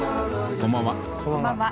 こんばんは。